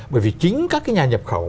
bởi vì chính các cái nhà nhập khẩu